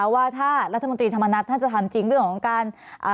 ว่าถ้ารัฐมนตรีธรรมนัฐท่านจะทำจริงเรื่องของการ